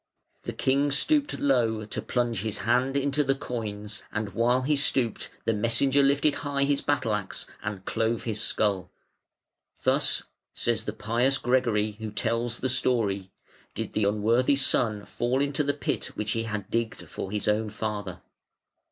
The King stooped low to plunge his hand into the coins, and while he stooped the messenger lifted high his battle axe and clove his skull. "Thus", says the pious Gregory, who tells the story, "did the unworthy son fall into the pit which he had digged for his own father".